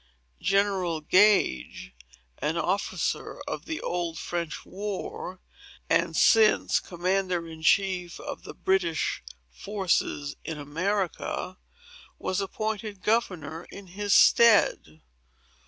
General Gage, an officer of the Old French War, and since commander in chief of the British forces in America, was appointed governor in his stead.